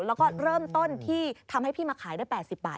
แล้วก็เริ่มต้นที่ทำให้พี่มาขายได้๘๐บาท